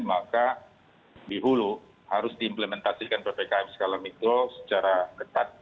maka di hulu harus diimplementasikan ppkm skala mikro secara ketat